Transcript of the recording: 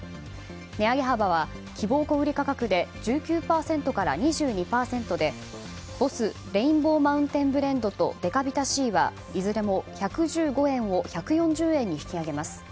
値上げ幅は希望小売価格で１９％から２２％でボスレインボーマウンテンブレンドとデカビタＣはいずれも１１５円を１４０円に引き上げます。